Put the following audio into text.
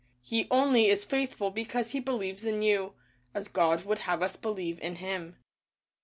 He only is faithful because he believes in you, as God would have us believe in Him.